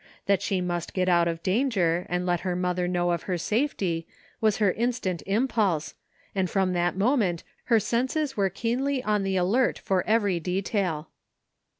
That she must get out of danger and let her mother know of her safety was her instant impulse, and from that moment her senses were keenly en the alert for every detail.